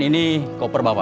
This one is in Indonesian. ini mobil tahanan